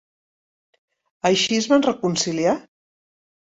Així es van reconciliar?